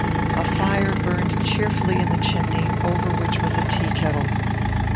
A fire burned cheerfully in the chimney, over which was a tea kettle.